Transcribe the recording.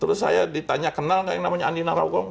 terus saya ditanya kenal nggak yang namanya andi narogong